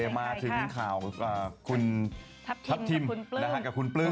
มาถึงข่าวคุณทัพทิมกับคุณปลื้ม